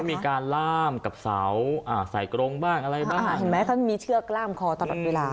มีการล่ามกับเสาอ่าใส่กรงบ้างอะไรบ้างเห็นไหมท่านมีเชือกล้ามคอตลอดเวลา